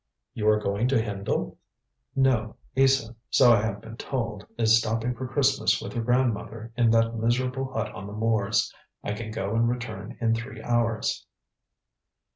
"You are going to Hendle?" "No. Isa, so I have been told, is stopping for Christmas with her grandmother in that miserable hut on the moors. I can go and return in three hours."